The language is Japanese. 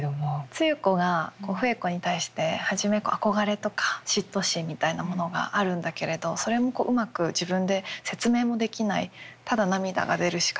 露子がこう笛子に対して初め憧れとか嫉妬心みたいなものがあるんだけれどそれもうまく自分で説明もできないただ涙が出るしかない。